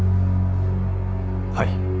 はい。